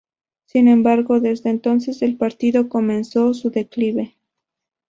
Sin embargo, desde entonces el partido comenzó su declive.